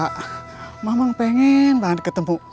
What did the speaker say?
pak mamang pengen banget ketemu